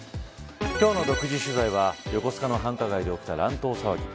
今日の独自取材は横須賀の繁華街で起きた乱闘騒ぎ。